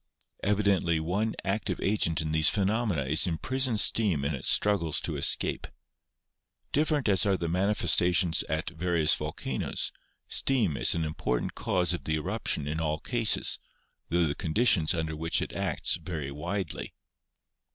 Evidently one active agent in these phenomena is im prisoned steam in its struggles to escape. Different as are the manifestations at various volcanoes, steam is an impor tant cause of the eruption in all cases, tho the conditions under which it acts vary widely.